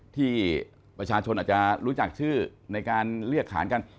ที่ประชาชนอาจจะรู้จักชื่อในการเรียกขานกัน